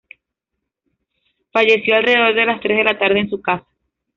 Falleció alrededor de las tres de la tarde en su casa.